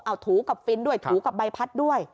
เอาถูกับฟินด้วยถูกับใบพัดด้วย